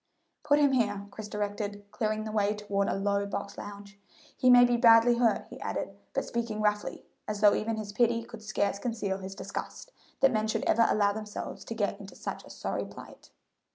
"Put him here," Chris directed, clearing the way toward a low box lounge. "He may be badly hurt," he added, but speaking roughly, as though even his pity could scarce conceal his disgust that men should ever allow themselves to get into such a sorry plight.